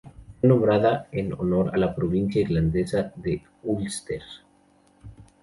Fue nombrada en honor a la provincia irlandesa de Úlster.